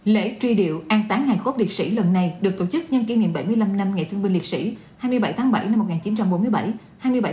lễ truy điệu an tán hai mươi hai cốt liệt sĩ lần này được tổ chức nhân kỷ niệm bảy mươi năm năm ngày thương binh liệt sĩ